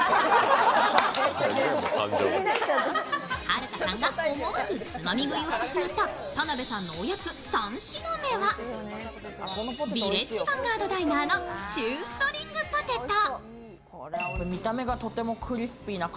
はるかさんが思わずつまみ食いをしてしまった田辺さんのおやつ３品目はヴィレッジヴァンガードダイナーのシューストリングポテト。